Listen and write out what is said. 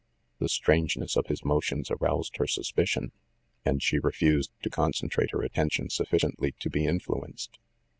The strangeness of his motions aroused her suspicion, and she refused to concentrate her attention sufficiently to be influenced.